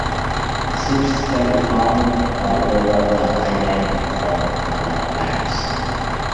Seeds can be found all over the island from other plants.